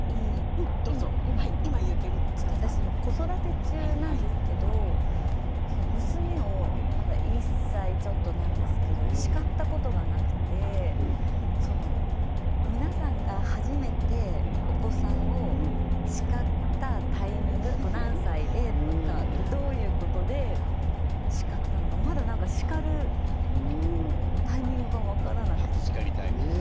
私、今子育て中なんですけれど娘を、１歳ちょっとなんですけれどまだ叱ったことがなくて皆さんが初めてお子さんを叱ったタイミング何歳で？ってどういうことで叱ったのかそれで叱るタイミングがなかったので。